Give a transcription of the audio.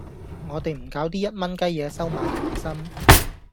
我哋唔搞啲一蚊雞嘢收買人心